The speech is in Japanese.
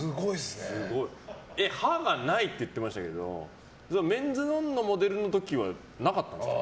歯がないって言ってましたけど「メンズノンノ」のモデルの時はなかったんですか？